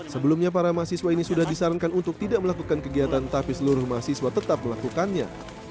sebelumnya para mahasiswa ini sudah disarankan untuk tidak melakukan kegiatan tapi seluruh mahasiswa tetap melakukannya